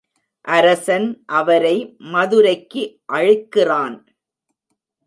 அரசன் அவரை மதுரைக்கு அழைக்கிறான்.